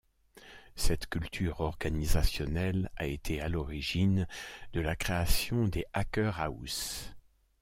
Cette culture organisationnelle a été à l'origine de la création des hacker houses.